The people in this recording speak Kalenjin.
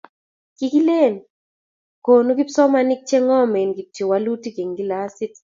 Kikileni konu kipsomaninik che ng'omen kityo walutik eng' kilasit.